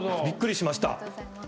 びっくりしました。